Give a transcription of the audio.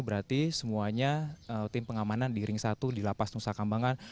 berarti semuanya tim pengamanan di ring satu di lapas nusa kambangan